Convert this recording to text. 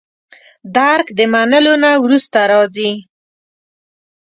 درک د منلو نه وروسته راځي.